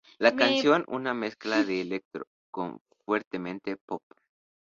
La canción una mezcla de electro con fuertemente pop.